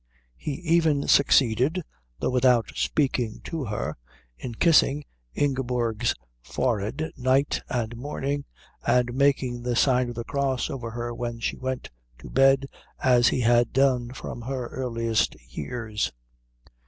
He even succeeded, though without speaking to her, in kissing Ingeborg's forehead night and morning and making the sign of the Cross over her when she went to bed as he had done from her earliest years.